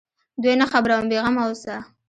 دوى نه خبروم بې غمه اوسه.